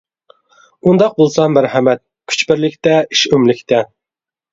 ئۇنداق بولسا مەرھەمەت، كۈچ بىرلىكتە، ئىش ئۆملۈكتە.